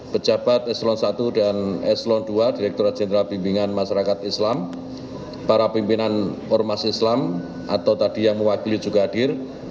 pejabat eselon i dan eselon ii direkturat jenderal bimbingan masyarakat islam para pimpinan ormas islam atau tadi yang mewakili juga hadir